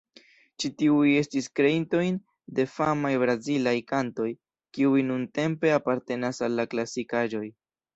Ĉi tiuj estis kreintoj de famaj brazilaj kantoj, kiuj nuntempe apartenas al la klasikaĵoj.